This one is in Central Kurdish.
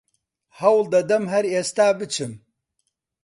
هەوڵ دەدەم هەر ئێستا بچم